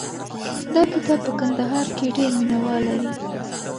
دا کتاب په کندهار کې ډېر مینه وال لري.